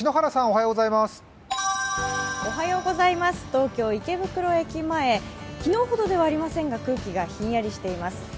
東京・池袋駅前昨日ほどではありませんが空気がひんやりしています。